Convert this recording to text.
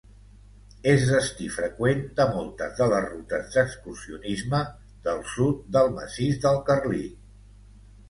És destí freqüent de moltes de les rutes d'excursionisme del sud del Massís del Carlit.